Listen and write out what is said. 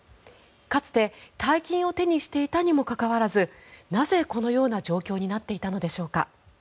かつて大金を手にしていたにもかかわらずなぜ、このような状況になっていたのでしょうか。